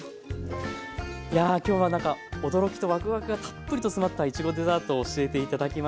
やあ今日はなんか驚きとワクワクがたっぷりと詰まったいちごデザートを教えて頂きました。